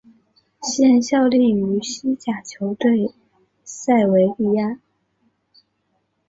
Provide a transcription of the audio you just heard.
现效力于西甲球队塞维利亚。